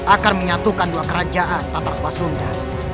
akan menyatukan dua kerajaan tatar spasunda